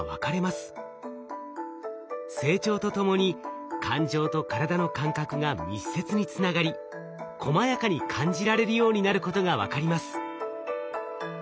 成長とともに感情と体の感覚が密接につながりこまやかに感じられるようになることが分かります。